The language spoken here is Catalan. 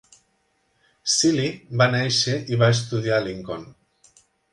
Seely va néixer i va estudiar a Lincoln.